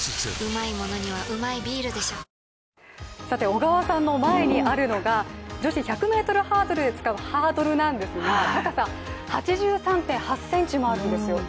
小川さんの前にあるのが女子１００ｍハードルに使うハードルなんですが、高さ８３．８ｃｍもあるんですよ。